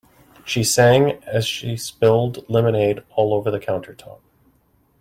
She sang as she spilled lemonade all over the countertop.